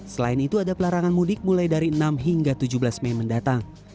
selain itu ada pelarangan mudik mulai dari enam hingga tujuh belas mei mendatang